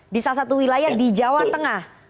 di salah satu wilayah di jawa tengah